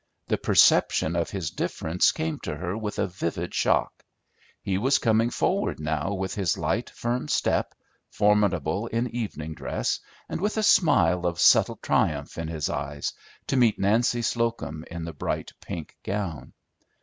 The perception of his difference came to her with a vivid shock. He was coming forward now with his light, firm step, formidable in evening dress and with a smile of subtle triumph in his eyes, to meet Nancy Slocum in the bright pink gown.